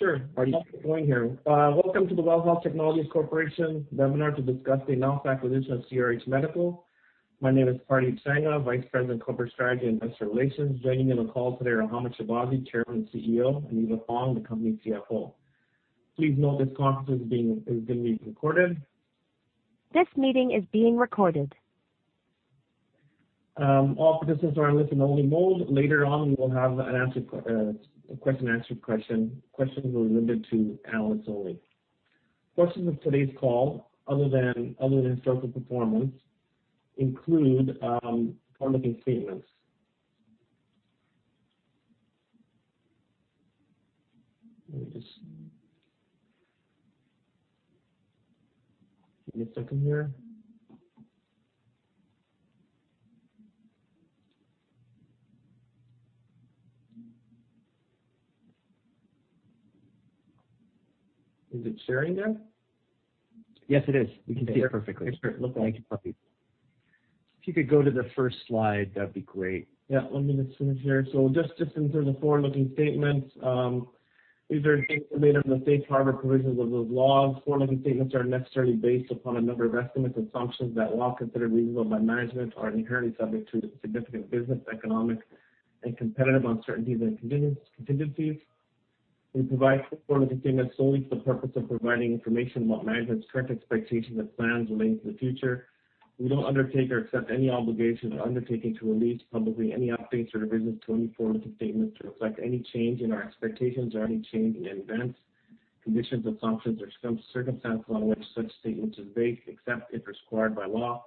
Welcome to the WELL Health Technologies Corporation webinar to discuss the announced acquisition of CRH Medical. My name is Pardeep Sangha, Vice President, Corporate Strategy & Investor Relations. Joining me on the call today are Hamed Shahbazi, Chairman and CEO, and Eva Fong, the company CFO. Please note this conference is being recorded. All participants are in listen only mode. Later on, we'll have a question and answer session limited to analysts only. Subjects of today's call other than financial performance include forward-looking statements. Give me a second here. Is it sharing now? Yes, it is. We can see it perfectly. Okay. If you could go to the first slide, that'd be great. Just to insert the forward-looking statements, these are made under the safe harbor provisions of those laws. Forward-looking statements are necessarily based upon a number of estimates and assumptions that, while considered reasonable by management, are inherently subject to significant business, economic, and competitive uncertainties and contingencies. We provide forward-looking statements solely for the purpose of providing information about management's current expectations of plans relating to the future. We don't undertake or accept any obligation or undertaking to release publicly any updates or revisions to any forward-looking statements to reflect any change in our expectations or any change in events, conditions, assumptions, or circumstances on which such statements are based, except if required by law.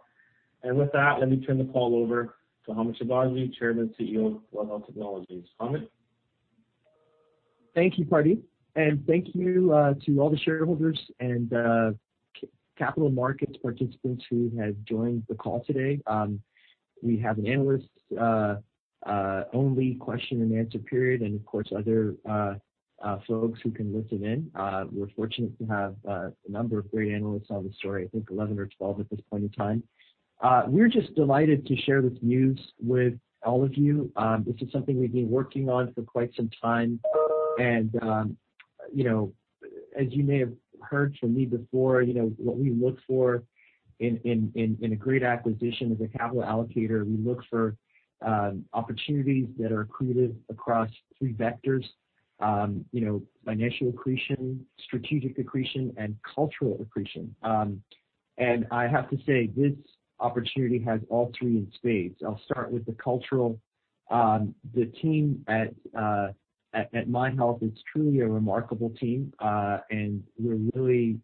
With that, let me turn the call over to Hamed Shahbazi, Chairman and CEO of WELL Health Technologies. Hamed? Thank you, Pardeep. Thank you to all the shareholders and capital markets participants who have joined the call today. We have an analyst-only question and answer period and of course, other folks who can listen in. We're fortunate to have a number of great analysts on the story, I think 11 or 12 at this point in time. We're just delighted to share this news with all of you. This is something we've been working on for quite some time. As you may have heard from me before, what we look for in a great acquisition as a capital allocator, we look for opportunities that are accretive across three vectors: financial accretion, strategic accretion, and cultural accretion. I have to say, this opportunity has all three in spades. I'll start with the cultural. The team at MyHealth is truly a remarkable team, and we really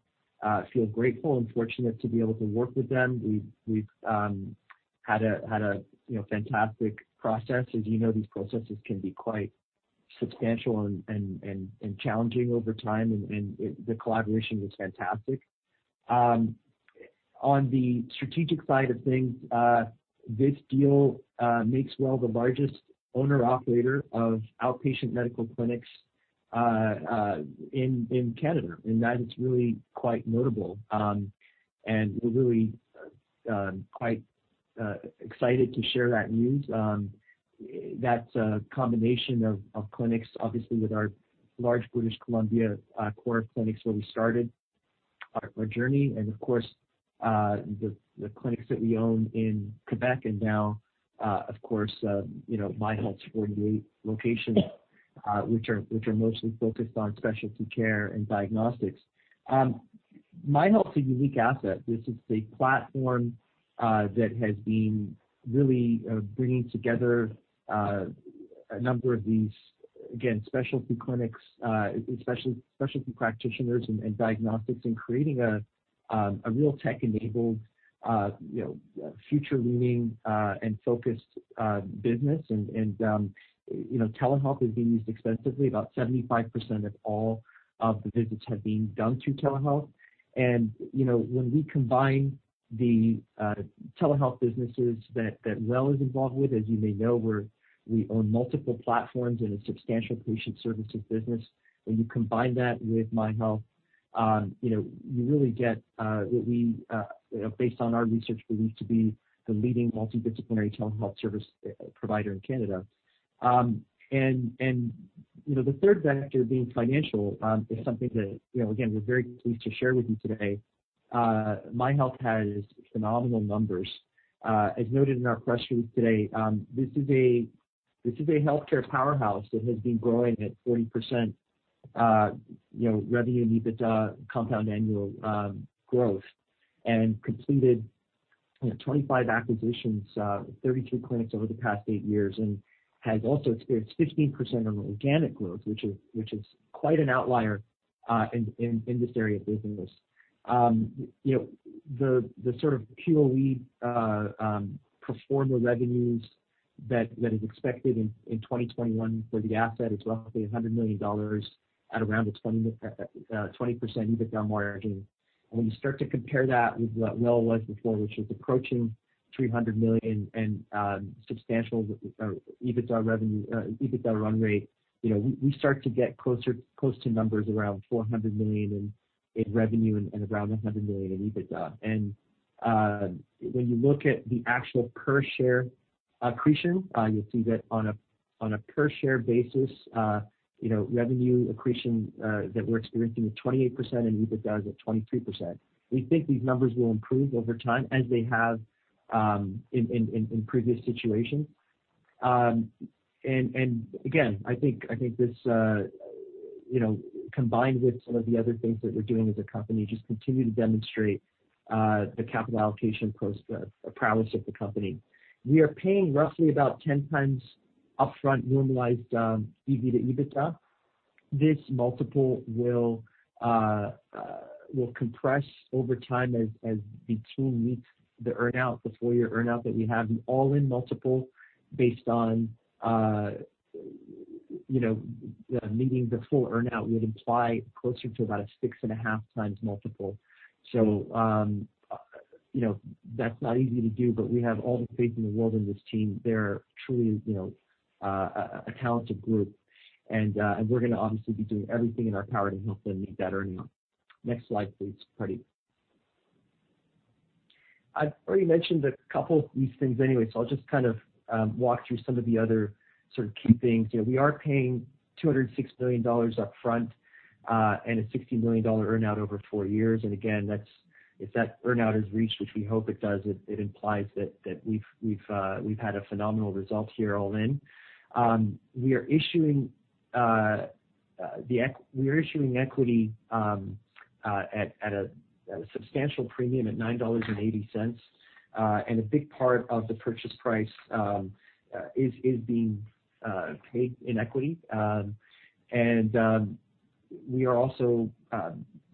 feel grateful and fortunate to be able to work with them. We've had a fantastic process. As you know, these processes can be quite substantial and challenging over time, and the collaboration was fantastic. On the strategic side of things, this deal makes WELL the largest owner/operator of outpatient medical clinics in Canada, and that is really quite notable. We're really quite excited to share that news. That's a combination of clinics, obviously, with our large British Columbia core clinics where we started our journey and of course, the clinics that we own in Quebec and now, of course MyHealth's 48 locations, which are mostly focused on specialty care and diagnostics. MyHealth is a unique asset. This is a platform that has been really bringing together a number of these, again, specialty clinics, specialty practitioners, and diagnostics, and creating a real tech-enabled future-leaning and -focused business. Telehealth is being used extensively. About 75% of all of the visits are being done through telehealth. When we combine the telehealth businesses that WELL is involved with, as you may know, we own multiple platforms and a substantial patient services business. When you combine that with MyHealth, you really get what we, based on our research, believe to be the leading multidisciplinary telehealth service provider in Canada. The third vector being financial is something that, again, we're very pleased to share with you today. MyHealth has phenomenal numbers. As noted in our press release today, this is a healthcare powerhouse that has been growing at 40% revenue EBITDA compound annual growth and completed 25 acquisitions, 32 clinics over the past eight years and has also experienced 15% organic growth, which is quite an outlier in this area of business. The sort of QoE pro forma revenues that is expected in 2021 for the asset is roughly 100 million dollars at around a 20% EBITDA margin. When you start to compare that with what WELL was before, which is approaching 300 million in substantial EBITDA run rate, we start to get close to numbers around 400 million in revenue and around 100 million in EBITDA. When you look at the actual per share accretion, you'll see that on a per share basis, revenue accretion that we're experiencing is 28% and EBITDA is at 23%. We think these numbers will improve over time as they have in previous situations. Again, I think this, combined with some of the other things that we're doing as a company, just continue to demonstrate the capital allocation prowess of the company. We are paying roughly about 10x upfront normalized EV to EBITDA. This multiple will compress over time as the team meets the earn-out, the four-year earn-out that we have in all-in multiple based on meaning the full earn-out would imply closer to about a 6.5x multiple. That's not easy to do, but we have all the faith in the world in this team. They're truly a talented group, and we're going to obviously be doing everything in our power to help them meet that earn-out. Next slide, please, Pardeep. I've already mentioned a couple of these things anyway. I'll just walk through some of the other key things. We are paying 206 million dollars upfront and a 50 million dollar earn-out over four years. Again, if that earn-out is reached, which we hope it does, it implies that we've had a phenomenal result here all in. We are issuing equity at a substantial premium at 9.80 dollars. A big part of the purchase price is being paid in equity. We are also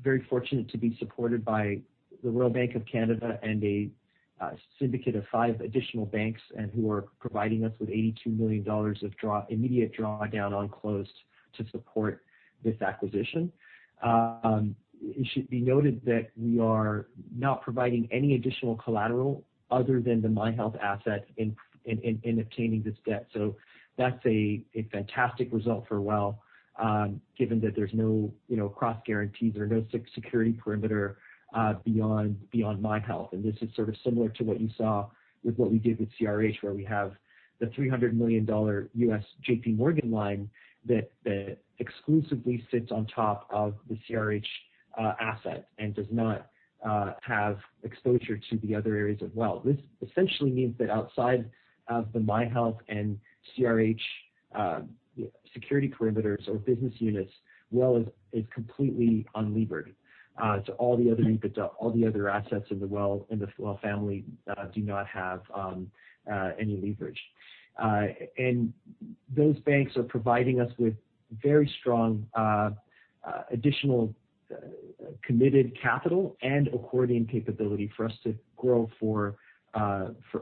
very fortunate to be supported by the Royal Bank of Canada and a syndicate of five additional banks who are providing us with 82 million dollars of immediate drawdown on close to support this acquisition. It should be noted that we are not providing any additional collateral other than the MyHealth asset in obtaining this debt. That's a fantastic result for WELL, given that there's no cross guarantees or no security perimeter beyond MyHealth. This is similar to what you saw with what we did with CRH, where we have the $300 million U.S. JPMorgan line that exclusively sits on top of the CRH asset and does not have exposure to the other areas of WELL. This essentially means that outside of the MyHealth and CRH security perimeters or business units, WELL is completely unlevered to all the other EBITDA, all the other assets in the WELL family do not have any leverage. Those banks are providing us with very strong additional committed capital and accordion capability for us to grow for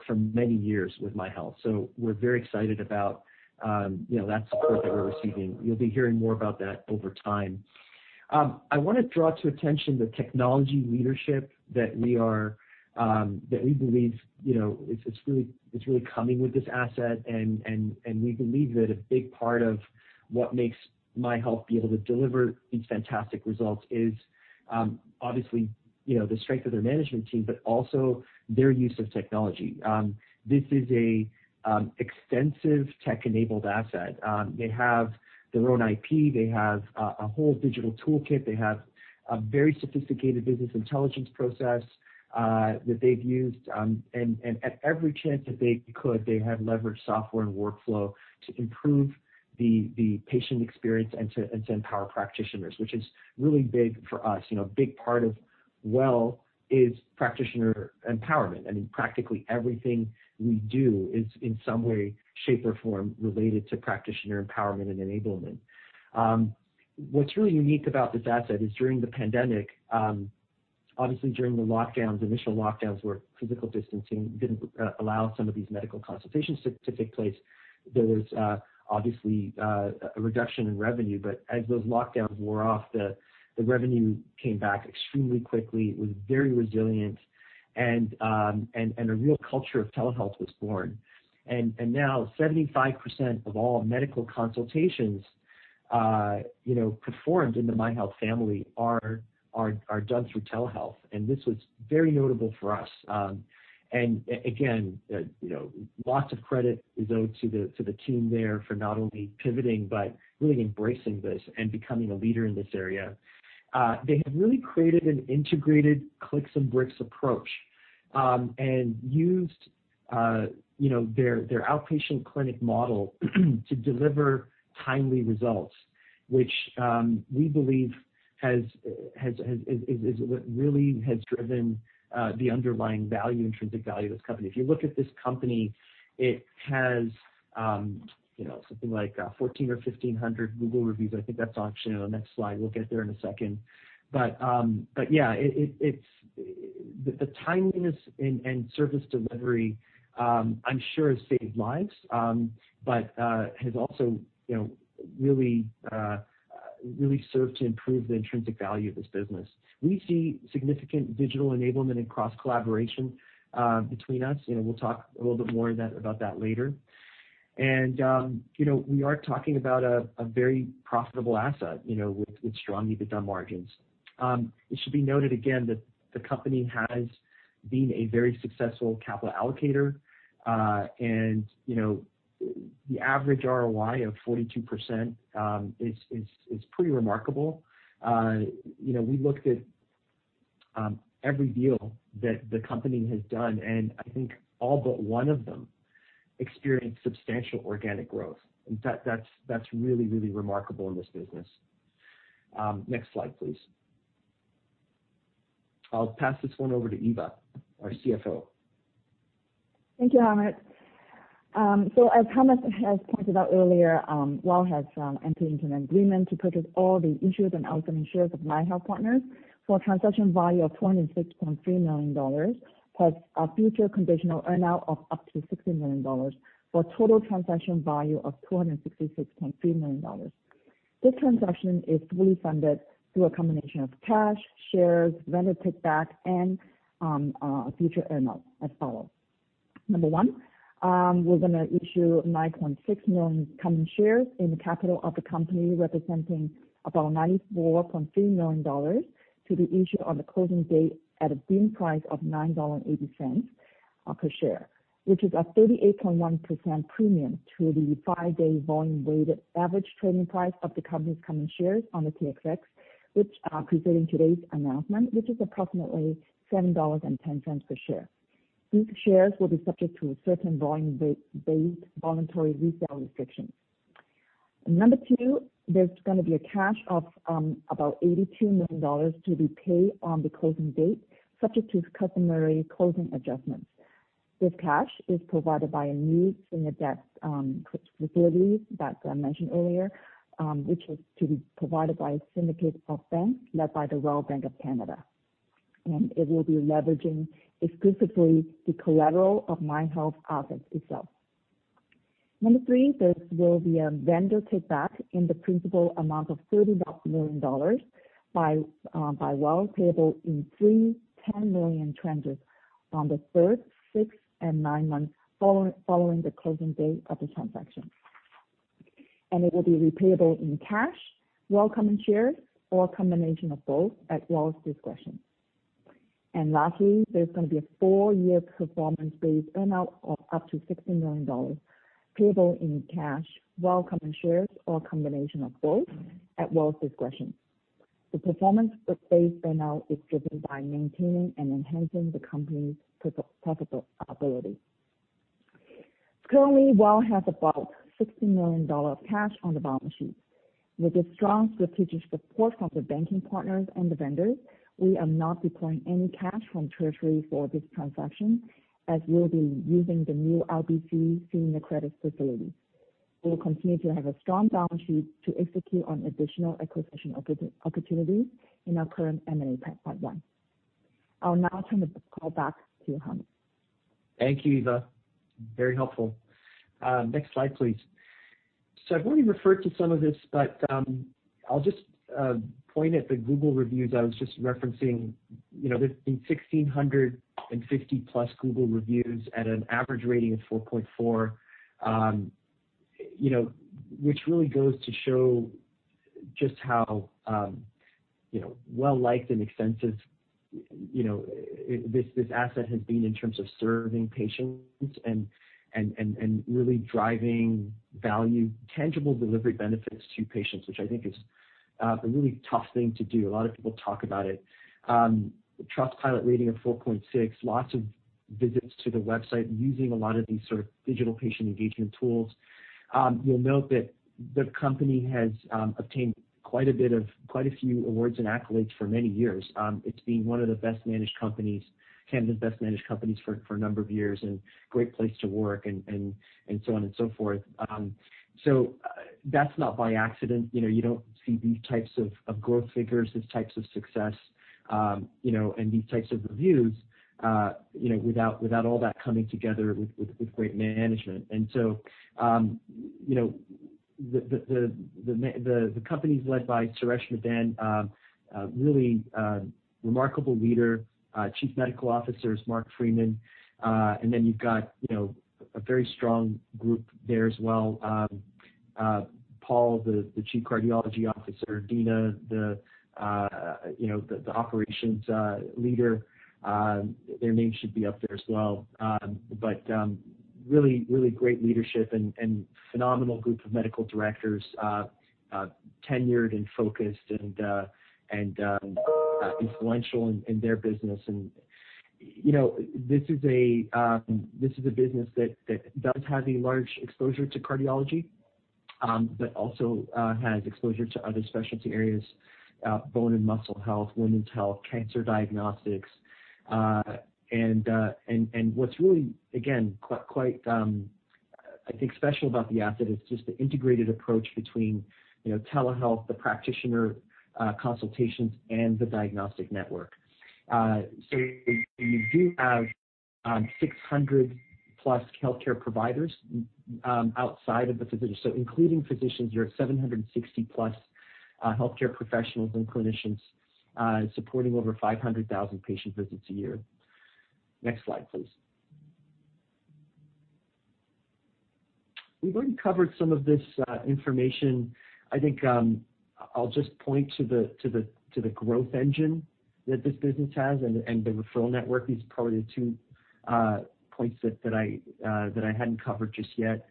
many years with MyHealth. We're very excited about that support that we're receiving. You'll be hearing more about that over time. I want to draw to attention the technology leadership that we believe is really coming with this asset, and we believe that a big part of what makes MyHealth be able to deliver these fantastic results is, obviously, the strength of their management team, but also their use of technology. This is an extensive tech-enabled asset. They have their own IP. They have a whole digital toolkit. They have a very sophisticated business intelligence process that they've used. At every chance that they could, they have leveraged software and workflow to improve the patient experience and to empower practitioners, which is really big for us. A big part of WELL is practitioner empowerment, and practically everything we do is in some way, shape, or form related to practitioner empowerment and enablement. What's really unique about this asset is during the pandemic, obviously during the lockdowns, initial lockdowns, where physical distancing didn't allow some of these medical consultations to take place, there was obviously a reduction in revenue. As those lockdowns wore off, the revenue came back extremely quickly, it was very resilient, and a real culture of telehealth was born. Now 75% of all medical consultations performed in the MyHealth family are done through telehealth, and this was very notable for us. Again, lots of credit is owed to the team there for not only pivoting but really embracing this and becoming a leader in this area. They have really created an integrated clicks and bricks approach and used their outpatient clinic model to deliver timely results, which we believe really has driven the underlying value, intrinsic value of this company. If you look at this company, it has something like 1,400 or 1,500 Google reviews. I think that's actually on the next slide. We'll get there in a second. The timeliness and service delivery, I'm sure has saved lives, but has also really served to improve the intrinsic value of this business. We see significant digital enablement and cross-collaboration between us, and we'll talk a little bit more about that later. We are talking about a very profitable asset with strong EBITDA margins. It should be noted, again, that the company has been a very successful capital allocator, and the average ROI of 42% is pretty remarkable. We looked at every deal that the company has done, and I think all but one of them experienced substantial organic growth. In fact, that's really remarkable in this business. Next slide, please. I'll pass this one over to Eva, our CFO. Thank you, Hamed. As Hamed has pointed out earlier, WELL has entered into an agreement to purchase all the issued and outstanding shares of MyHealth Partners for a transaction value of 206.3 million dollars, plus a future conditional earn-out of up to 60 million dollars for a total transaction value of 266.3 million dollars. This transaction is fully funded through a combination of cash, shares, vendor take back, and future earn-out as follows. Number one, we're going to issue 9.6 million common shares in the capital of the company, representing about 94.3 million dollars to be issued on the closing date at a deemed price of 9.80 dollar per share, which is a 38.1% premium to the five-day volume-weighted average trading price of the company's common shares on the TSX, which are preceding today's announcement, which is approximately 7.10 dollars per share. These shares will be subject to a certain volume-based voluntary resale restriction. Number two, there's going to be a cash of about 82 million dollars to be paid on the closing date, subject to customary closing adjustments. The cash is provided by a new senior debt credit facility that I mentioned earlier, which was to be provided by a syndicate of banks led by The Royal Bank of Canada. It will be leveraging explicitly the collateral of MyHealth assets itself. Number three, there will be a vendor take back in the principal amount of 30 million dollars by WELL, payable in three 10 million tranches on the third, sixth, and ninth months following the closing date of the transaction. It will be repayable in cash, WELL common shares, or a combination of both at WELL's discretion. Lastly, there's going to be a four-year performance-based earn-out of up to 60 million dollars payable in cash, WELL common shares, or a combination of both at WELL's discretion. The performance-based earn-out is driven by maintaining and enhancing the company's profitability. Currently, WELL has about 60 million dollars cash on the balance sheet. With the strong strategic support of the banking partners and the vendors, we are not deploying any cash from treasury for this transaction, as we'll be using the new RBC senior credit facility. We'll continue to have a strong balance sheet to execute on additional acquisition opportunities in our current M&A pipeline. I'll now turn the call back to Hamed. Thank you, Eva. Very helpful. Next slide, please. I've already referred to some of this, but I'll just point at the Google reviews I was just referencing. There's been 1,650+ Google reviews at an average rating of 4.4, which really goes to show just how well-liked and extensive this asset has been in terms of serving patients and really driving value, tangible delivery benefits to patients, which I think is a really tough thing to do. A lot of people talk about it. Trustpilot rating of 4.6, lots of visits to the website using a lot of these sort of digital patient engagement tools. You'll note that the company has obtained quite a few awards and accolades for many years. It's been one of the best managed companies, Canada's Best Managed Companies for a number of years, and great place to work, and so on and so forth. That's not by accident. You don't see these types of growth figures, these types of success, and these types of reviews, without all that coming together with great management. The company's led by Suresh Reddy then, really remarkable leader. Chief Medical Officer is Marc Freeman. You've got a very strong group there as well. Paul, the Chief Cardiology Officer, Dina, the Operations leader. Their names should be up there as well. Really great leadership and phenomenal group of medical directors, tenured and focused and influential in their business. This is a business that does have a large exposure to cardiology, but also has exposure to other specialty areas, bone and muscle health, women's health, cancer diagnostics. What's really, again, quite, I think special about the asset is just the integrated approach between telehealth, the practitioner consultations, and the diagnostic network. We do have 600+ healthcare providers outside of the physicians. Including physicians, we have 760+ healthcare professionals and clinicians supporting over 500,000 patient visits a year. Next slide, please. We've already covered some of this information. I think I'll just point to the growth engine that this business has and the referral network is probably the two points that I hadn't covered just yet.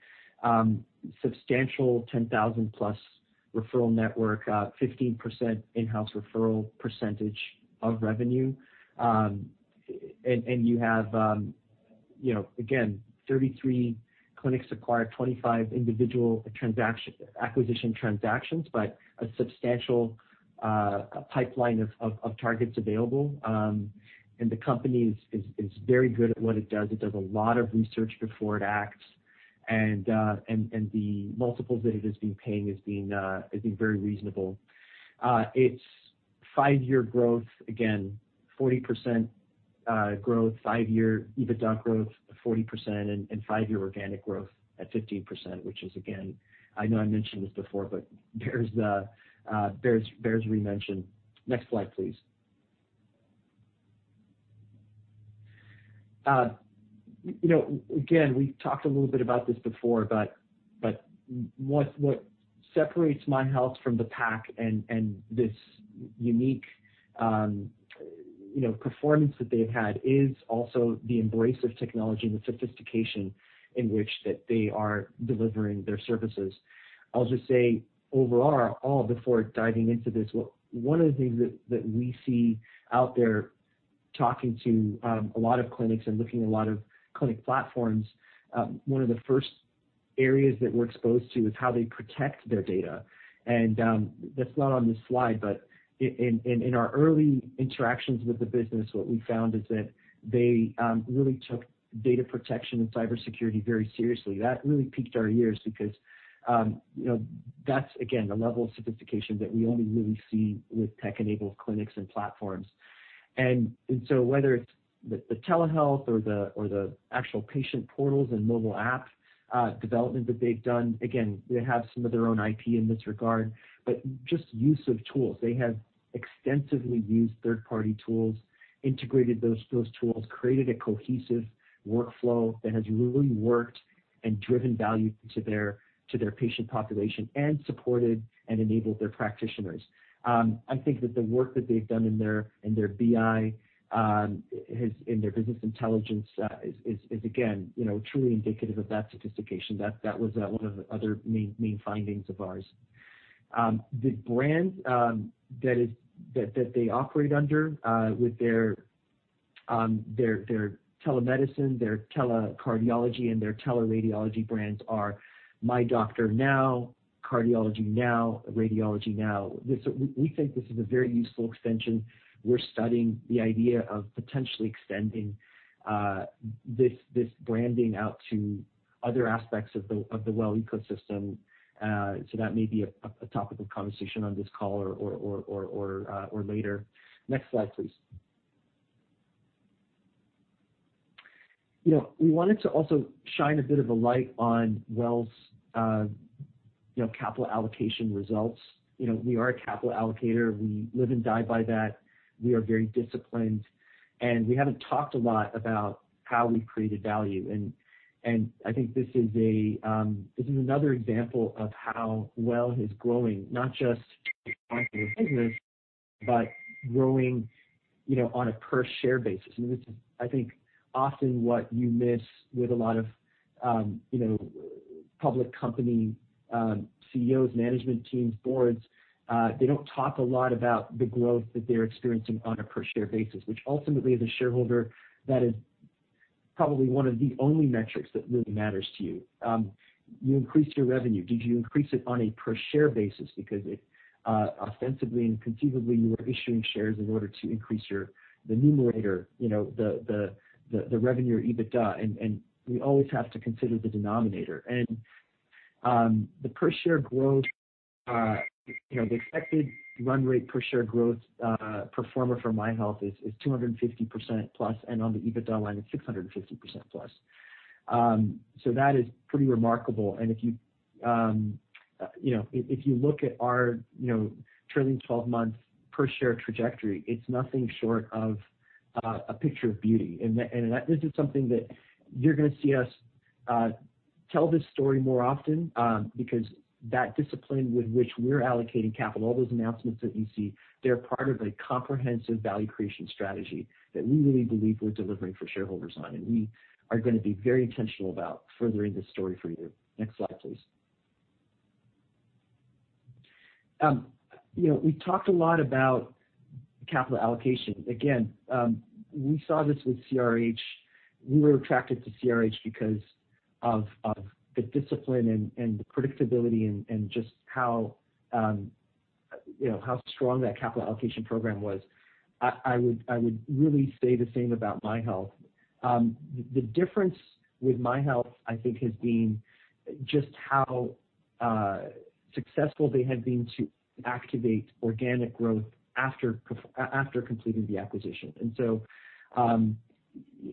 Substantial 10,000+ referral network, 15% in-house referral percentage of revenue. You have again, 33 clinics acquired, 25 individual acquisition transactions, but a substantial pipeline of targets available. The company is very good at what it does. It does a lot of research before it acts. The multiples that it has been paying has been very reasonable. Its five-year growth, again, 40% growth, five-year EBITDA growth 40%, and five-year organic growth at 15%, which is, again, I know I mentioned this before, but there's is as we mentioned. Next slide, please. Again, we've talked a little bit about this before, but what separates MyHealth from the pack and this unique performance that they've had is also the embrace of technology and the sophistication in which that they are delivering their services. I'll just say overall, before diving into this, one of the things that we see out there talking to a lot of clinics and looking at a lot of clinic platforms, one of the first areas that we're exposed to is how they protect their data. That's not on this slide, but in our early interactions with the business, what we found is that they really took data protection and cybersecurity very seriously. That really piqued our ears because that's, again, a level of sophistication that we only really see with tech-enabled clinics and platforms. Whether it's the telehealth or the actual patient portals and mobile app development that they've done, again, they have some of their own IP in this regard, but just use of tools. They have extensively used third-party tools, integrated those tools, created a cohesive workflow that has really worked and driven value to their patient population and supported and enabled their practitioners. I think that the work that they've done in their BI, in their business intelligence, is again, truly indicative of that sophistication. That was one of the other main findings of ours. The brands that they operate under, with their telemedicine, their telecardiology, and their teleradiology brands are MyDoctorNow, CardiologyNow, RadiologyNow. We think this is a very useful extension. We're studying the idea of potentially extending this branding out to other aspects of the WELL ecosystem. That may be a topic of conversation on this call or later. Next slide, please. We wanted to also shine a bit of a light on WELL's capital allocation results. We are a capital allocator. We live and die by that. We are very disciplined, and we haven't talked a lot about how we create value. I think this is another example of how WELL is growing, not just as a business, but growing on a per-share basis, which is, I think, often what you miss with a lot of public company CEOs, management teams, boards. They don't talk a lot about the growth that they're experiencing on a per-share basis, which ultimately the shareholder, that is probably one of the only metrics that really matters to you. You increased your revenue. Did you increase it on a per-share basis? Because if ostensibly and conceivably you are issuing shares in order to increase the numerator, the revenue or EBITDA, we always have to consider the denominator. The per-share growth, the expected run rate per-share growth performer for MyHealth is 250%+, and on the EBITDA line is 650%+. That is pretty remarkable, and if you look at our trailing 12 months per-share trajectory, it's nothing short of a picture of beauty. This is something that you're going to see us tell this story more often because that discipline with which we're allocating capital, all those announcements that you see, they're part of a comprehensive value creation strategy that we really believe we're delivering for shareholders on, and we are going to be very intentional about furthering this story for you. Next slide, please. We talked a lot about capital allocation. We saw this with CRH. We were attracted to CRH because of the discipline and the predictability and just how you know how strong that capital allocation program was. I would really say the same about MyHealth. The difference with MyHealth, I think, has been just how successful they have been to activate organic growth after completing the acquisition.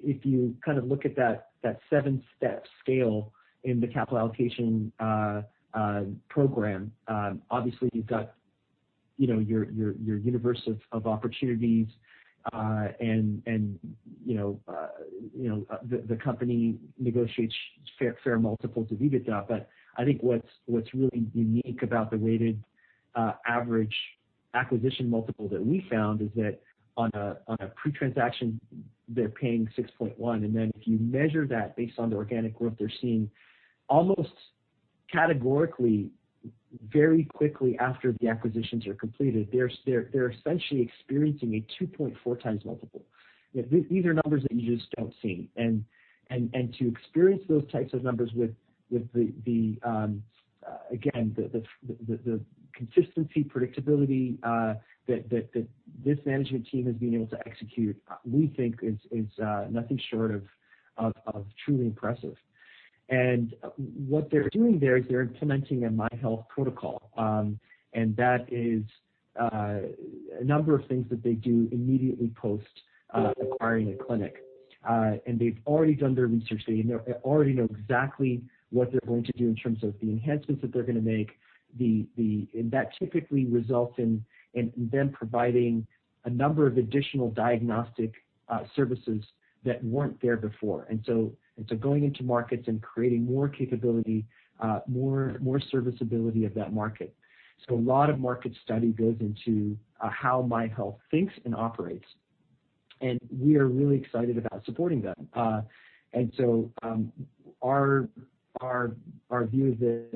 If you look at that seven-step scale in the capital allocation program, obviously you've got your universe of opportunities and the company negotiates fair multiples of EBITDA. I think what's really unique about the weighted average acquisition multiple that we found is that on a pre-transaction, they're paying 6.1x. If you measure that based on the organic growth they're seeing, almost categorically, very quickly after the acquisitions are completed, they're essentially experiencing a 2.4x multiple. These are numbers that you just don't see. To experience those types of numbers with, again, the consistency, predictability that this management team has been able to execute, we think is nothing short of truly impressive. What they're doing there is they're implementing a MyHealth protocol. That is a number of things that they do immediately post acquiring a clinic. They've already done their research, so they already know exactly what they're going to do in terms of the enhancements that they're going to make. That typically results in them providing a number of additional diagnostic services that weren't there before. Going into markets and creating more capability, more serviceability of that market. A lot of market study goes into how MyHealth thinks and operates, and we are really excited about supporting them. Our view is that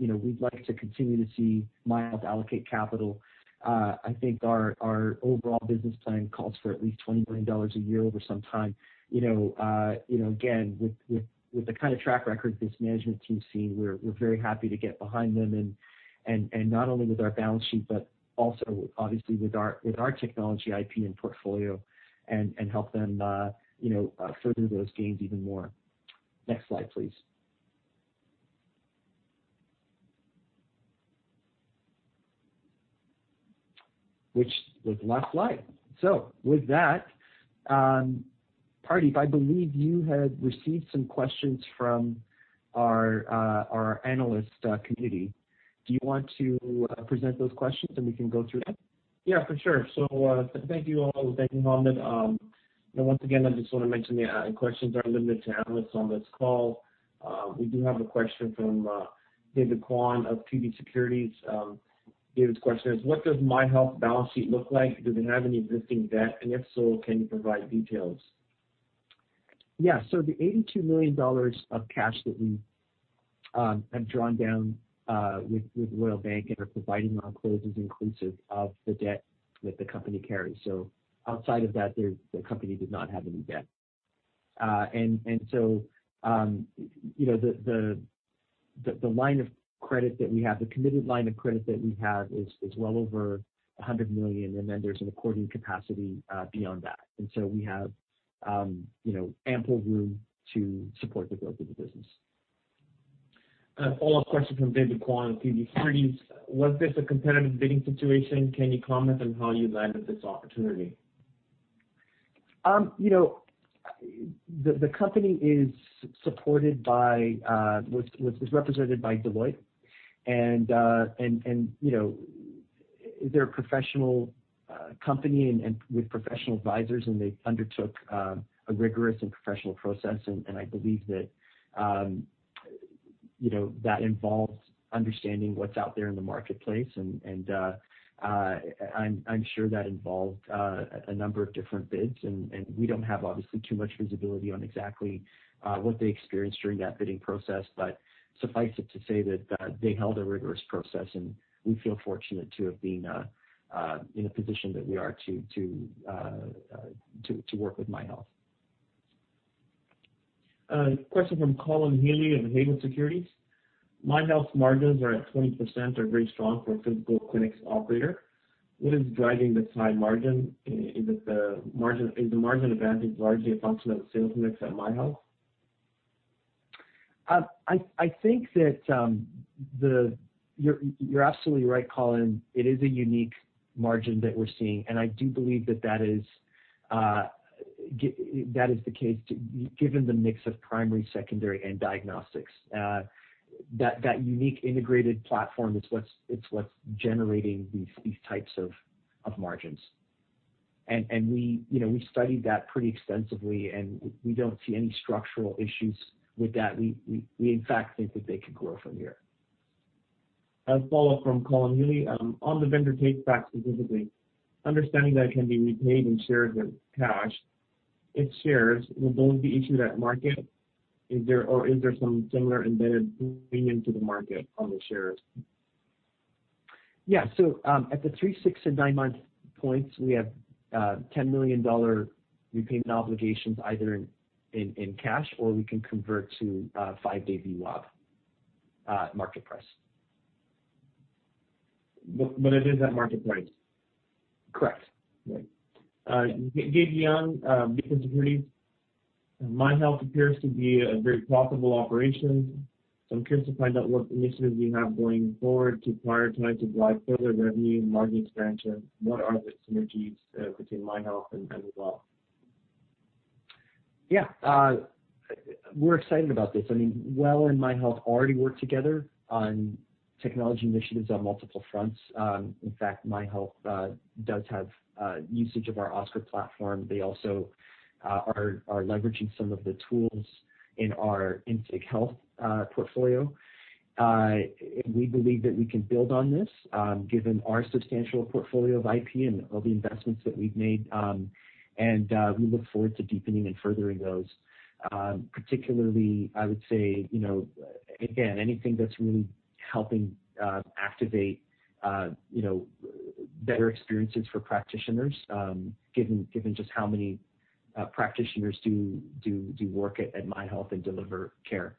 we'd like to continue to see MyHealth allocate capital. I think our overall business plan calls for at least 20 million dollars a year over some time. Again, with the kind of track record this management team sees, we're very happy to get behind them and not only with our balance sheet, but also obviously with our technology IP and portfolio and help them further those gains even more. Next slide, please. Which was the last slide. With that, Pardeep, I believe you had received some questions from our analyst community. Do you want to present those questions and we can go through them? Yeah, for sure. Thank you all, and thank you, Hamed. Once again, I just want to mention the questions are limited to analysts on this call. We do have a question from David Kwan of TD Securities. David's question is: what does MyHealth balance sheet look like? Do they have any existing debt, and if so, can you provide details? The 82 million dollars of cash that we have drawn down with Royal Bank and are providing on close is inclusive of the debt that the company carries. Outside of that, the company does not have any debt. The line of credit that we have, the committed line of credit that we have is well over 100 million, and then there's an accordion capacity beyond that. We have ample room to support the growth of the business. A follow-up question from David Kwan at TD Securities. Was this a competitive bidding situation? Can you comment on how you landed this opportunity? The company is represented by Deloitte, and they're a professional company and with professional advisors, and they undertook a rigorous and professional process. I believe that involves understanding what's out there in the marketplace, and I'm sure that involved a number of different bids, and we don't have, obviously, too much visibility on exactly what they experienced during that bidding process. Suffice it to say that they held a rigorous process, and we feel fortunate to have been in a position that we are to work with MyHealth. A question from Colin Healey of Haywood Securities. MyHealth margins are at 20%, they're very strong for a physical clinics operator. What is driving the high margin? Is the margin advantage largely a function of the sales mix at MyHealth? I think that you're absolutely right, Colin. It is a unique margin that we're seeing, and I do believe that is the case, given the mix of primary, secondary, and diagnostics. That unique integrated platform is what's generating these types of margins. We studied that pretty extensively, and we don't see any structural issues with that. We in fact think that they could grow from here. A follow-up from Colin Healey. On the vendor take back specifically, understanding that it can be paid in shares or cash, in shares, will those be issued at market, or is there some similar embedded premium to the market on the shares? Yeah. At the three, six, and nine month points, we have 10 million dollar repeat obligations either in cash or we can convert to a five-day VWAP market price. It is at market price? Correct. Right. Gabriel Leung, Beacon Securities. MyHealth appears to be a very profitable operation, so I'm curious to find out what initiatives you have going forward to prioritize to drive further revenue and market expansion. What are the synergies between MyHealth and WELL? Yeah. We're excited about this. WELL and MyHealth already work together on technology initiatives on multiple fronts. In fact, MyHealth does have usage of our OSCAR platform. They also are leveraging some of the tools in our Intrahealth portfolio. We believe that we can build on this, given our substantial portfolio of IP and all the investments that we've made. We look forward to deepening and furthering those. Particularly, I would say, again, anything that's really helping activate better experiences for practitioners, given just how many practitioners do work at MyHealth and deliver care.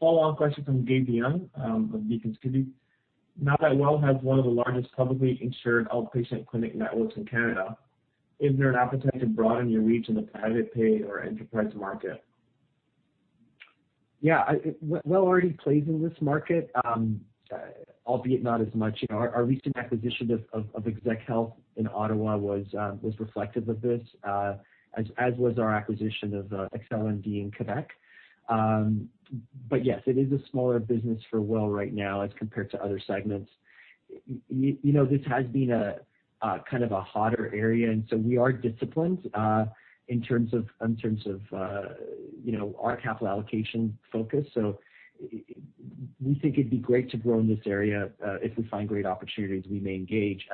Follow-up question from Gabriel Leung of Beacon Securities. Now that WELL has one of the largest publicly insured outpatient clinic networks in Canada, is there an appetite to broaden your reach in the private pay or enterprise market? Yeah. WELL already plays in this market, albeit not as much. Our recent acquisition of ExecHealth in Ottawa was reflective of this, as was our acquisition of ExcelleMD in Quebec. Yes, it is a smaller business for WELL right now as compared to other segments. This has been a hotter area, and so we are disciplined in terms of our capital allocation focus. We think it'd be great to grow in this area. If we find great opportunities, we may engage.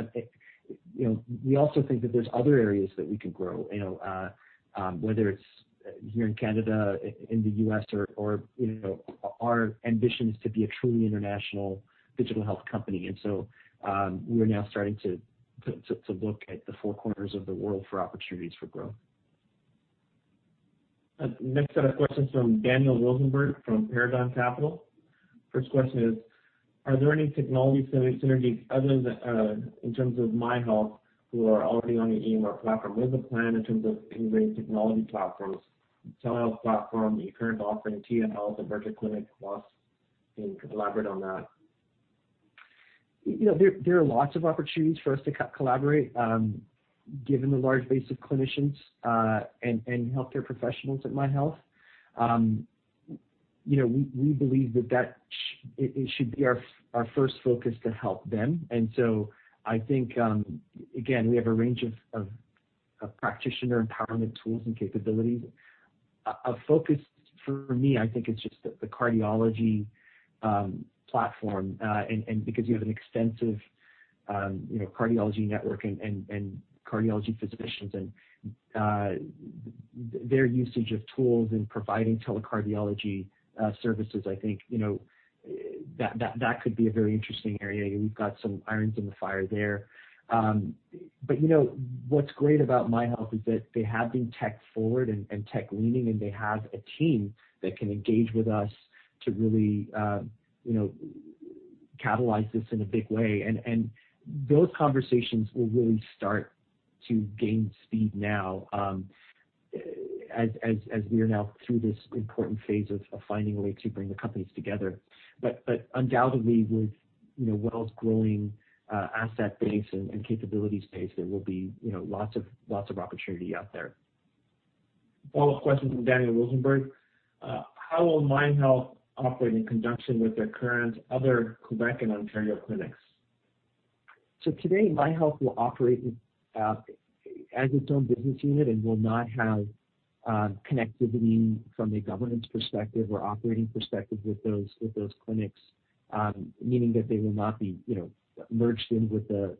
We also think that there's other areas that we can grow, whether it's here in Canada, in the U.S. or our ambitions to be a truly international digital health company. We're now starting to look at the four corners of the world for opportunities for growth. Next, I have a question from Daniel Rosenberg from Paradigm Capital. First question is, are there any technology synergies in terms of MyHealth who are already on the EMR platform? Is there a plan in terms of ingrained technology platforms, telehealth platform, the current offering Tia Health or VirtuClinic, WELL can collaborate on that? There are lots of opportunities for us to collaborate, given the large base of clinicians, and healthcare professionals at MyHealth. We believe that it should be our first focus to help them. I think, again, we have a range of practitioner empowerment tools and capabilities. A focus for me, I think, is just the cardiology platform, because you have an extensive cardiology network and cardiology physicians, and their usage of tools in providing telecardiology services, I think that could be a very interesting area. We've got some irons in the fire there. What's great about MyHealth is that they have been tech forward and tech leading, and they have a team that can engage with us to really catalyze this in a big way. Those conversations will really start to gain speed now as we are now through this important phase of finding a way to bring the companies together. Undoubtedly with WELL's growing asset base and capabilities base, there will be lots of opportunity out there. Follow-up question from Daniel Rosenberg. How will MyHealth operate in conjunction with their current other Quebec and Ontario clinics? Today, MyHealth will operate as its own business unit and will not have connectivity from a governance perspective or operating perspective with those clinics, meaning that they will not be merged in with the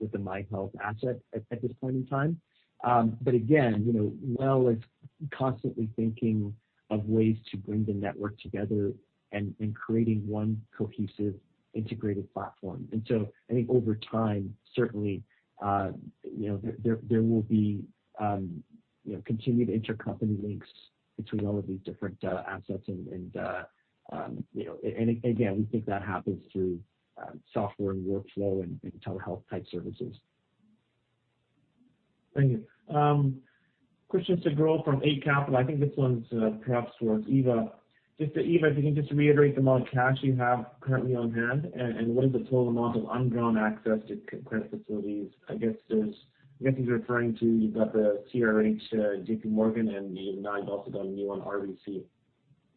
MyHealth asset at this point in time. Again, WELL is constantly thinking of ways to bring the network together and creating one cohesive integrated platform. I think over time, certainly, there will be continued intercompany links between all of these different data assets. Again, we think that happens through software and workflow and telehealth-type services. Thank you. Christian Sgro from Eight Capital. I think this one's perhaps towards Eva. Just that Eva, can you just reiterate the amount of cash you have currently on hand, and what is the total amount of undrawn access to credit facilities? I guess you're referring to the CRH, JPMorgan, and now you've also got a new one, RBC.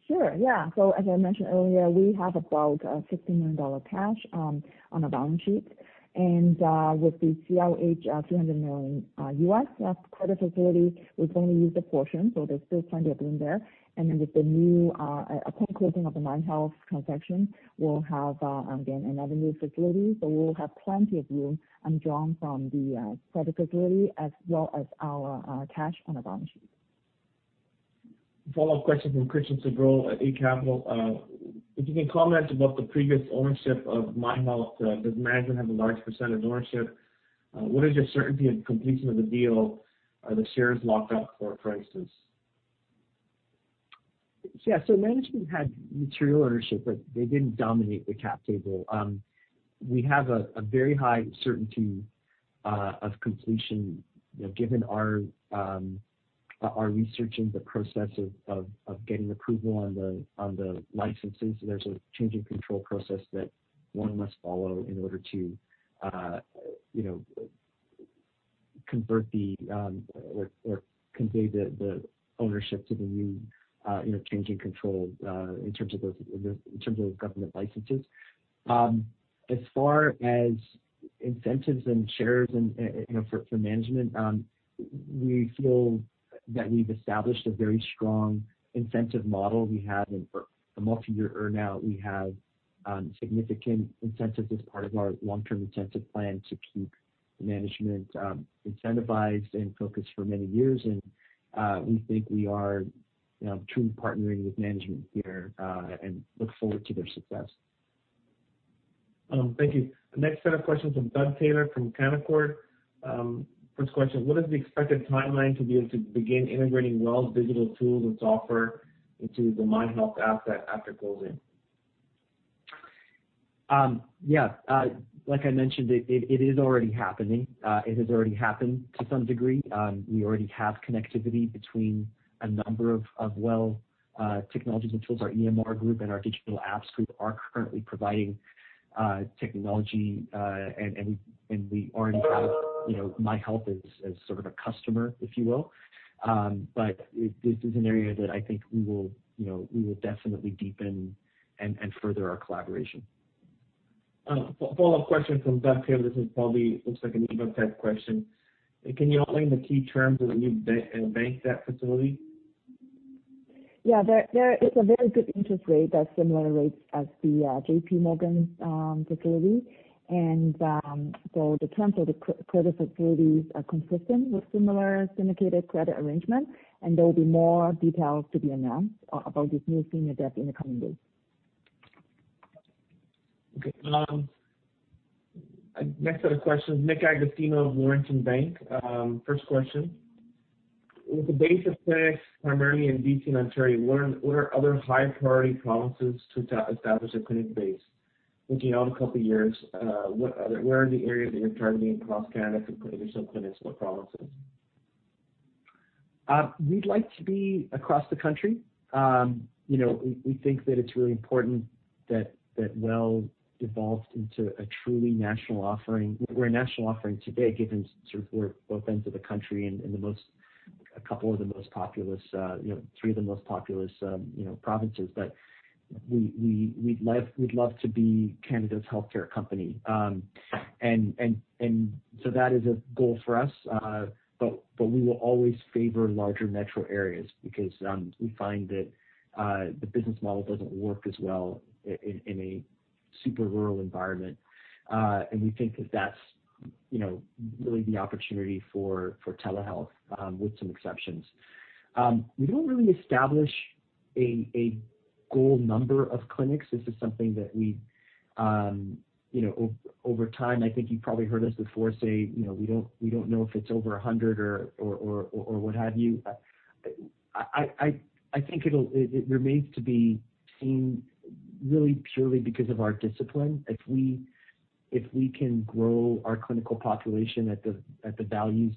Sure, yeah. As I mentioned earlier, we have about 16 million dollar cash on our balance sheet, and with the CRH $300 million U.S. plus credit facility, we've only used a portion, there's still plenty of room there. With the new acquisition of the My Health transaction, we'll have, again, another new facility. We'll have plenty of room undrawn from the credit facility as well as our cash on the balance sheet. Follow-up question from Christian Sgro at Eight Capital. If you can comment about the previous ownership of MyHealth, does management have a large percentage ownership? What is your certainty of completion of the deal? Are the shares locked up for a crisis? Yeah. Management had material ownership, but they didn't dominate the cap table. We have a very high certainty of completion given our research and the process of getting approval on the licenses. There's a change in control process that one must follow in order to convert or convey the ownership to the new change in control in terms of government licenses. As far as incentives and shares for management, we feel that we've established a very strong incentive model. We have a multi-year earn-out. We have significant incentives as part of our long-term incentive plan to keep management incentivized and focused for many years. We think we are truly partnering with management here and look forward to their success. Thank you. The next set of questions from Doug Taylor from Canaccord. First question, what is the expected timeline to be able to begin integrating WELL's digital tools and software into the MyHealth asset after closing? Yeah. Like I mentioned, it is already happening. It has already happened to some degree. We already have connectivity between a number of WELL technologies and tools. Our EMR group and our digital apps group are currently providing technology, and we already have MyHealth as sort of a customer, if you will. This is an area that I think we will definitely deepen and further our collaboration. Follow-up question from Doug Taylor. This probably looks like an email type question. Can you outline the key terms of the new bank debt facility? Yeah. It's a very good interest rate that's similar rates as the JPMorgan facility. The terms of the credit facilities are consistent with similar syndicated credit arrangements, and there'll be more details to be announced about this new senior debt in the coming days. Okay. Next set of questions. Nick Agostino of Laurentian Bank. First question, with the base of clinics primarily in B.C. and Ontario, what are other high priority provinces to establish a clinic base? Looking out a couple of years, where are the areas that you're targeting across Canada for additional clinics? What provinces? We'd like to be across the country. We think that it's really important that WELL evolves into a truly national offering. We're a national offering today, given we're both ends of the country and three of the most populous provinces. We'd love to be Canada's healthcare company. That is a goal for us, but we will always favor larger metro areas because we find that the business model doesn't work as well in a super rural environment. We think that that's really the opportunity for telehealth, with some exceptions. We don't really establish a goal number of clinics. This is something that over time, I think you've probably heard us before say, we don't know if it's over 100 or what have you. I think it remains to be seen really purely because of our discipline. If we can grow our clinical population at the values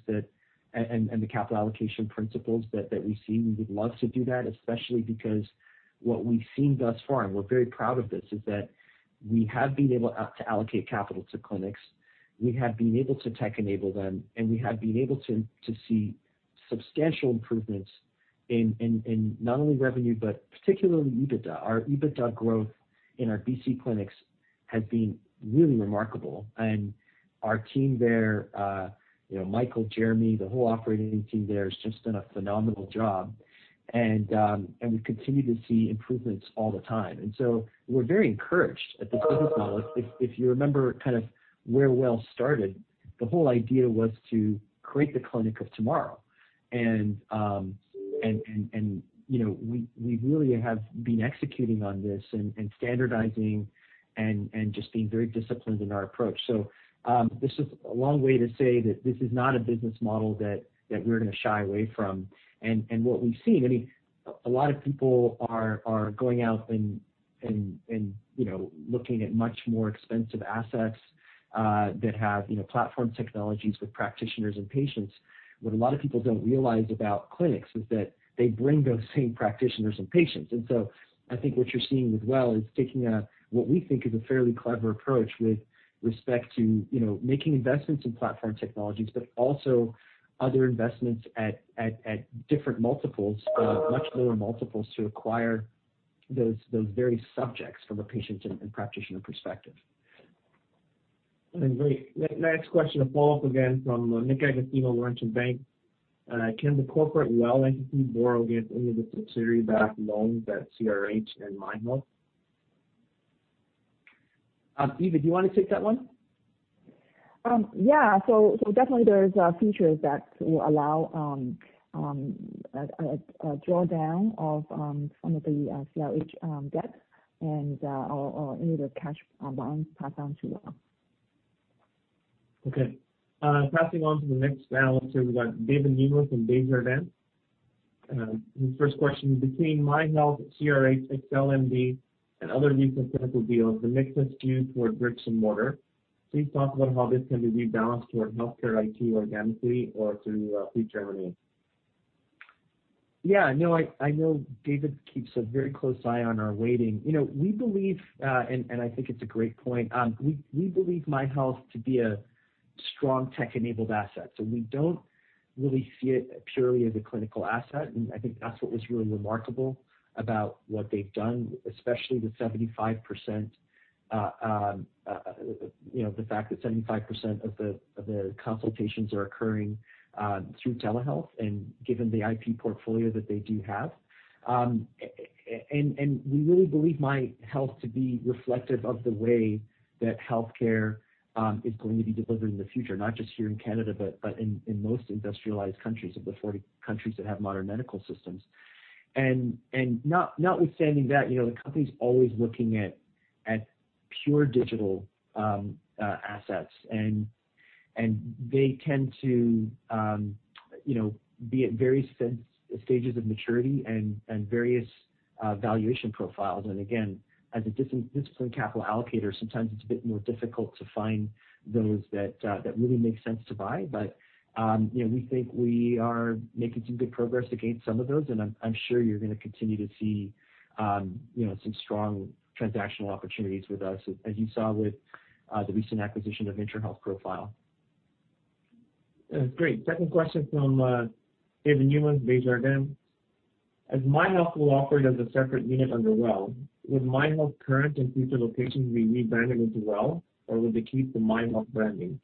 and the capital allocation principles that we see, we would love to do that, especially because what we've seen thus far, and we're very proud of this, is that we have been able to allocate capital to clinics. We have been able to tech enable them. We have been able to see substantial improvements in not only revenue but particularly EBITDA. Our EBITDA growth in our BC clinics has been really remarkable. Our team there, Michael, Jeremy, the whole operating team there, has just done a phenomenal job. We continue to see improvements all the time. We're very encouraged at the business model. If you remember where WELL started, the whole idea was to create the clinic of tomorrow. We really have been executing on this and standardizing and just being very disciplined in our approach. This is a long way to say that this is not a business model that we're going to shy away from. What we've seen, a lot of people are going out and looking at much more expensive assets that have platform technologies with practitioners and patients. What a lot of people don't realize about clinics is that they bring those same practitioners and patients. I think what you're seeing with WELL is taking what we think is a fairly clever approach with respect to making investments in platform technologies, but also other investments at different multiples, much lower multiples, to acquire those very subjects from a patient and practitioner perspective. Great. Next question, a follow-up again from Nick Agostino, Laurentian Bank. Can the corporate WELL entity borrow against any of the subsidiary-backed loans at CRH and MyHealth? Eva, do you want to take that one? Yeah. Definitely there's features that will allow a drawdown of some of the CRH debt and/or any of the cash balance passed on to WELL. Okay. Passing on to the next analyst here, we've got David Newman from Desjardins. The first question, between MyHealth, CRH, ExcelleMD, and other recent dental deals, the mix has skewed toward bricks and mortar. Please talk about how this can be balanced toward healthcare IT or dentistry or through future M&A. Yeah, I know David keeps a very close eye on our weighting. We believe, and I think it's a great point, MyHealth to be a strong tech-enabled asset. We don't really see it purely as a clinical asset, and I think that's what was really remarkable about what they've done, especially the fact that 75% of the consultations are occurring through telehealth and given the IP portfolio that they do have. We really believe MyHealth to be reflective of the way that healthcare is going to be delivered in the future, not just here in Canada, but in most industrialized countries, of the 40 countries that have modern medical systems. Notwithstanding that, the company's always looking at pure digital assets, and they tend to be at various stages of maturity and various valuation profiles. Again, as a discipline capital allocator, sometimes it's a bit more difficult to find those that really make sense to buy. We think we are making some good progress against some of those, and I'm sure you're going to continue to see some strong transactional opportunities with us, as you saw with the recent acquisition of Intrahealth Profile. Great. Second question from David Newman, Desjardins. As MyHealth will operate as a separate unit under WELL, would MyHealth current and future locations be rebranded into WELL, or would they keep the MyHealth branding?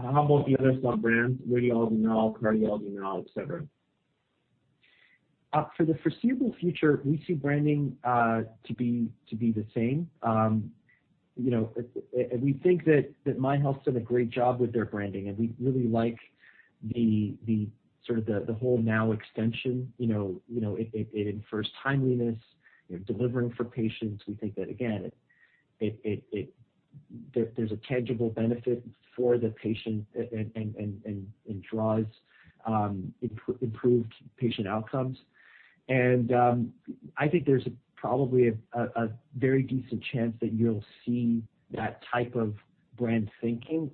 How about the other sub-brands, RadiologyNow, CardiologyNow, et cetera? For the foreseeable future, we see branding to be the same. We think that MyHealth's done a great job with their branding. We really like the whole Now extension. It infers timeliness, delivering for patients. We think that, again, there's a tangible benefit for the patient, drives improved patient outcomes. I think there's probably a very decent chance that you'll see that type of brand thinking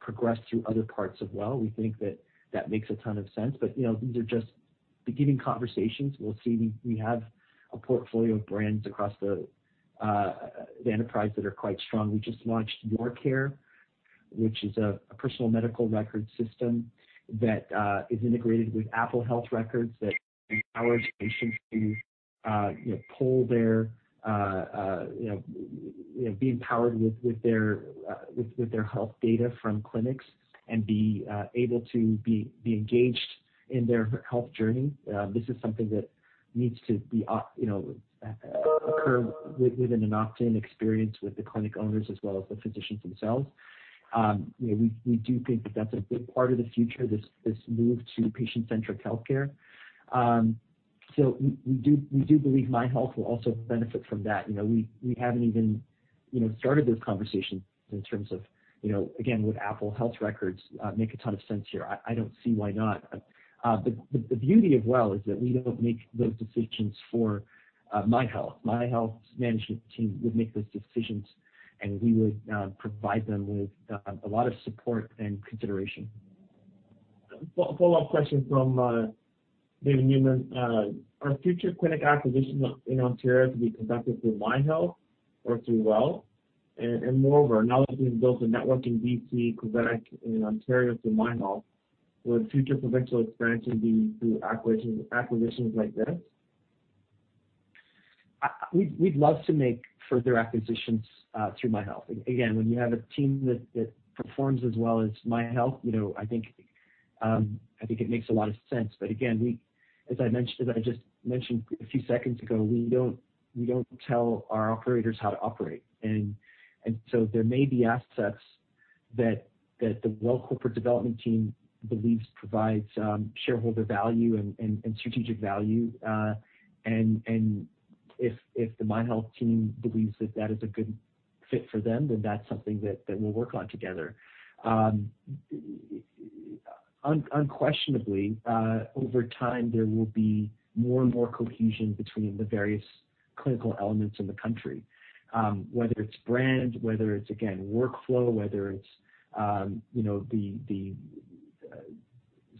progress through other parts of WELL. We think that makes a ton of sense. These are just beginning conversations. We'll see. We have a portfolio of brands across the enterprise that are quite strong. We just launched YourCare, which is a personal medical record system that is integrated with Apple Health Records that allows patients to be empowered with their health data from clinics and be able to be engaged in their health journey. This is something that needs to occur within an opt-in experience with the clinic owners as well as the physicians themselves. We do think that that's a big part of the future, this move to patient-centric healthcare. We do believe MyHealth will also benefit from that. We haven't even started those conversations in terms of, again, would Apple Health Records make a ton of sense here? I don't see why not. The beauty of WELL is that we don't make those decisions for MyHealth. MyHealth's management team would make those decisions, and we would provide them with a lot of support and consideration. Follow-up question from David Newman. Are future clinic acquisitions in Ontario to be conducted through MyHealth or through WELL? Moreover, now that we've built a network in BC, Quebec, and Ontario through MyHealth, will future provincial expansion be through acquisitions like this? We'd love to make further acquisitions through MyHealth. Again, when you have a team that performs as well as MyHealth, I think it makes a lot of sense. Again, as I mentioned a few seconds ago, we don't tell our operators how to operate. There may be assets that the local development team believes provides shareholder value and strategic value. If the MyHealth team believes that that is a good fit for them, then that's something that we'll work on together. Unquestionably, over time, there will be more and more cohesion between the various clinical elements in the country, whether it's brand, whether it's, again, workflow, whether it's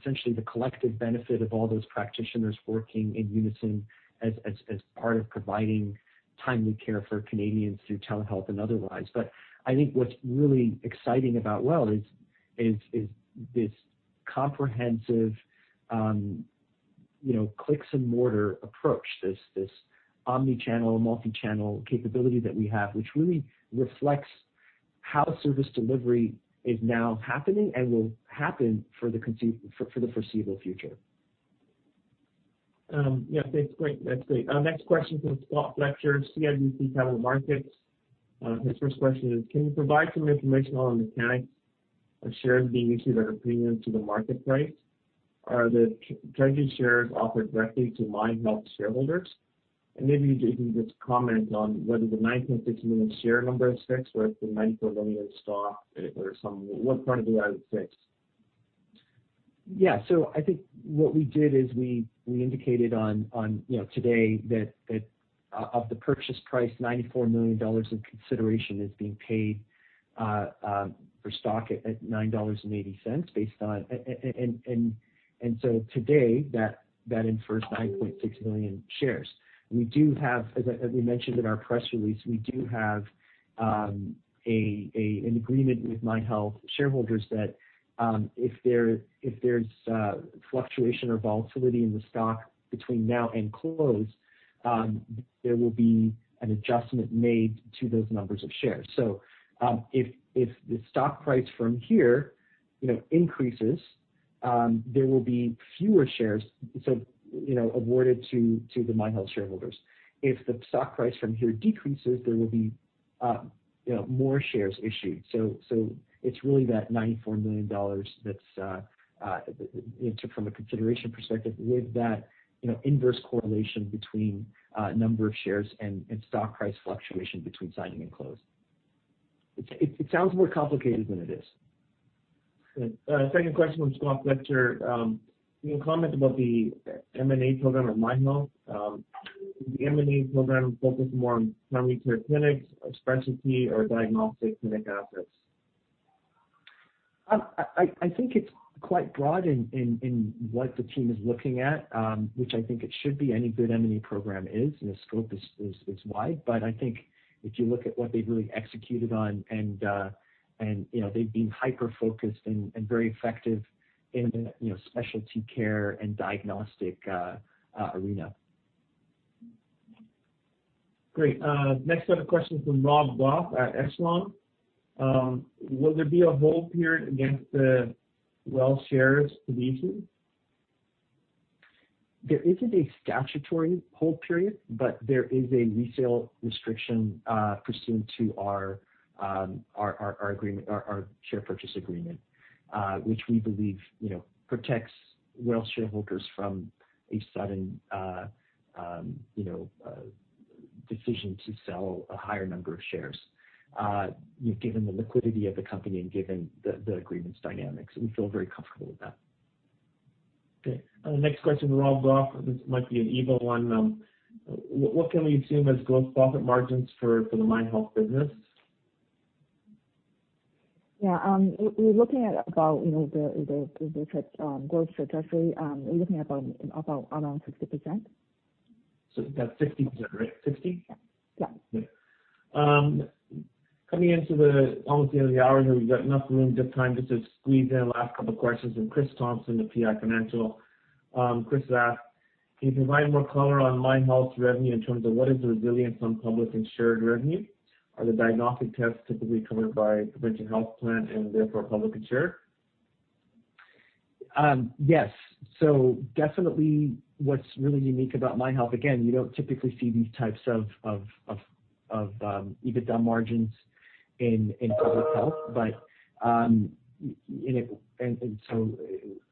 essentially the collective benefit of all those practitioners working in unison as part of providing timely care for Canadians through telehealth and otherwise. I think what's really exciting about WELL is this comprehensive clicks and mortar approach, this omnichannel, multichannel capability that we have, which really reflects how service delivery is now happening and will happen for the foreseeable future. Yeah, thanks. Great. Next question from Scott Fletcher, CIBC Capital Markets. His first question is, can you provide some information on the mechanics of shares being issued at a premium to the market price? Are the treasury shares offered directly to MyHealth shareholders? Maybe if you can just comment on whether the 9.6 million share number is fixed or if the 94 million stock or what part of that is fixed. Yeah. I think what we did is we indicated on today that of the purchase price, 94 million dollars in consideration is being paid for stock at 9.80 dollars. Today, that infers 9.6 million shares. As I mentioned in our press release, we do have an agreement with MyHealth shareholders that if there's fluctuation or volatility in the stock between now and close, there will be an adjustment made to those numbers of shares. If the stock price from here increases, there will be fewer shares awarded to the MyHealth shareholders. If the stock price from here decreases, there will be more shares issued. It's really that 94 million dollars that's anchored from a consideration perspective with that inverse correlation between number of shares and stock price fluctuation between signing and close. It sounds more complicated than it is. Okay. Second question from Scott Fletcher. Can you comment about the M&A program at MyHealth Partners? Is the M&A program focused more on primary care clinics, specialty, or diagnostic clinic assets? I think it's quite broad in what the team is looking at, which I think it should be. Any good M&A program is. The scope is wide. I think if you look at what they've really executed on, and they've been hyper-focused and very effective in the specialty care and diagnostic arena. Great. Next set of questions from Rob Goff at Echelon. Will there be a hold period against the WELL shares releases? There isn't a statutory hold period, but there is a resale restriction pursuant to our share purchase agreement, which we believe protects WELL shareholders from a sudden decision to sell a higher number of shares. Given the liquidity of the company and given the agreement's dynamics, we feel very comfortable with that. Okay. Next question to Rob Goff. This might be an Eva one. What can we assume as gross profit margins for the MyHealth business? Yeah. We're looking at about the gross trajectory. We're looking at around 60%. That's 60%, right? 60? Yeah. Okay. Coming into almost the end of the hour here, we've got enough room, good time to just squeeze in the last couple of questions from Chris Thompson at PI Financial. Chris asked, can you provide more color on MyHealth revenue in terms of what is the resilience on public insured revenue? Are the diagnostic tests typically covered by provincial health plan and therefore public insured? Yes. Definitely what's really unique about MyHealth, again, you don't typically see these types of EBITDA margins in public health.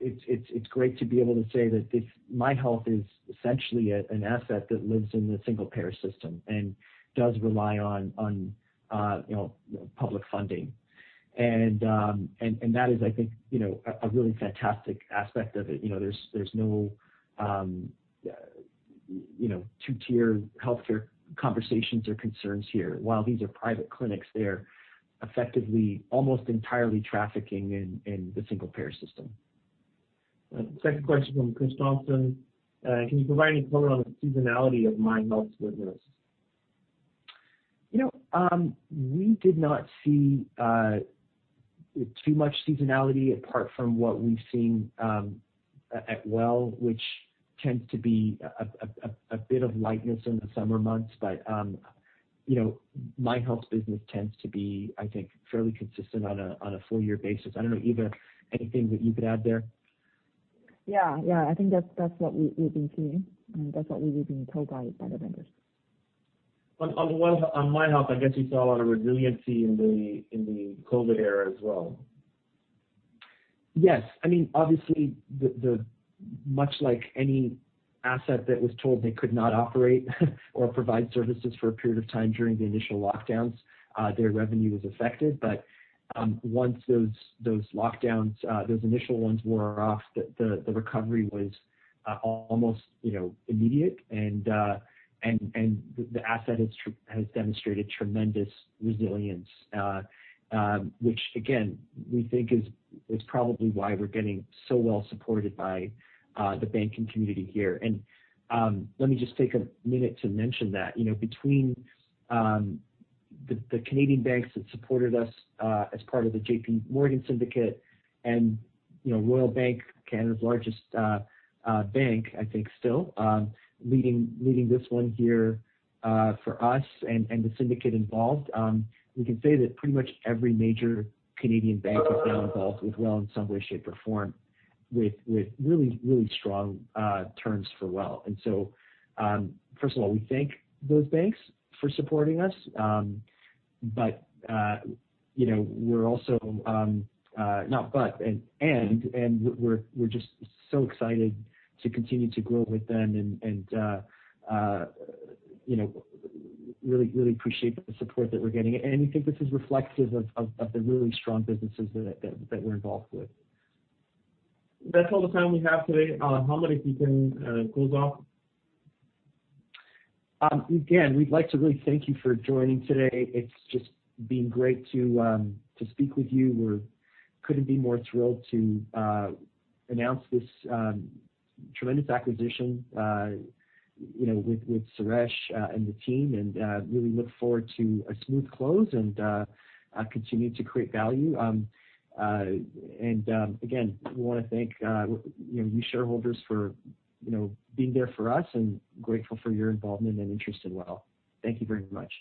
It's great to be able to say that MyHealth is essentially an asset that lives in the single-payer system and does rely on public funding. That is, I think, a really fantastic aspect of it. There's no two-tier healthcare conversations or concerns here. While these are private clinics, they're effectively almost entirely trafficking in the single-payer system. Second question from Chris Thompson. Can you provide any color on the seasonality of MyHealth business? We did not see too much seasonality apart from what we've seen at WELL, which tends to be a bit of lightness in the summer months. MyHealth business tends to be, I think, fairly consistent on a full year basis. I don't know, Eva, anything that you'd add there? Yeah. I think that's what we've been seeing. That's what we've been told by the vendors. On MyHealth, I guess you saw a lot of resiliency in the COVID era as well. Yes. I mean, obviously, much like any asset that was told they could not operate or provide services for a period of time during the initial lockdowns, their revenue was affected. Once those lockdowns, those initial ones wore off, the recovery was almost immediate and the asset has demonstrated tremendous resilience, which again, we think is probably why we're getting so well supported by the banking community here. Let me just take a minute to mention that. Between the Canadian banks that supported us as part of the JPMorgan syndicate and Royal Bank, Canada's largest bank, I think still, leading this one here for us and the syndicate involved, we can say that pretty much every major Canadian bank has been involved with WELL in some way, shape, or form with really strong terms for WELL. First of all, we thank those banks for supporting us. We're just so excited to continue to grow with them and really appreciate the support that we're getting. I think this is reflective of the really strong businesses that we're involved with. That's all the time we have today. Hamed, if you can close off. We'd like to really thank you for joining today. It's just been great to speak with you. We couldn't be more thrilled to announce this tremendous acquisition with Suresh and the team and really look forward to a smooth close and continue to create value. Again, we want to thank you shareholders for being there for us and grateful for your involvement and interest in WELL. Thank you very much.